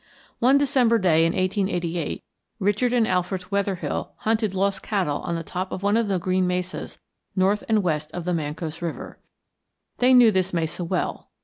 One December day in 1888 Richard and Alfred Wetherill hunted lost cattle on the top of one of the green mesas north and west of the Mancos River. They knew this mesa well.